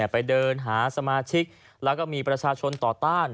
ไปเดินหาสมาชิกแล้วก็มีประชาชนต่อต้าน